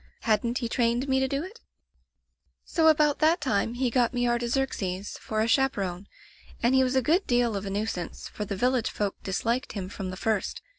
Hadn't he trained me to do it ? "So about that time he got me Artaxerxes for a chaperone, and he was a good deal of a nuisance, for the village folk disliked him from the first.